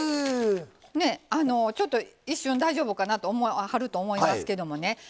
ねえちょっと一瞬大丈夫かなと思わはると思いますけどもね